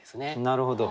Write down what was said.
なるほど。